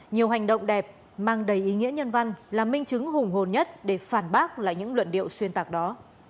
nhiều hành động đẹp mang đầy ý nghĩa nhân văn là minh chứng hùng hồn nhất để phản bác lại những luận điệu xuyên tạc đó